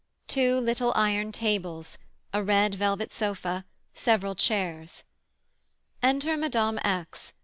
Two little iron tables, a red velvet sofa, several chairs. Enter Mme. X.